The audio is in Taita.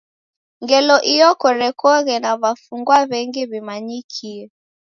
Ngelo iyo korekoghe na w'afungwa w'engi w'imanyikie.